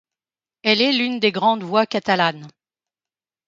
Elle est l'une des grandes voix catalanes.